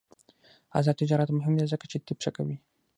آزاد تجارت مهم دی ځکه چې طب ښه کوي.